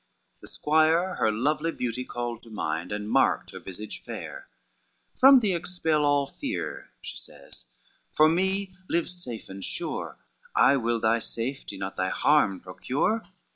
The squire her lovely beauty called to mind, And marked her visage fair: "From thee expel All fear," she says, "for me live safe and sure, I will thy safety, not thy harm procure.